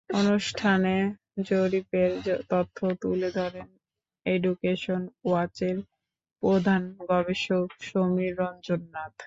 অনুষ্ঠানে জরিপের তথ্য তুলে ধরেন এডুকেশন ওয়াচের প্রধান গবেষক সমীর রঞ্জন নাথ।